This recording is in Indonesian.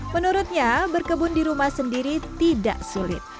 menurutnya berkebun di rumah sendiri tidak sulit